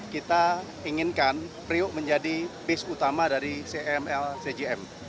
kita inginkan priok menjadi base utama dari cml cgm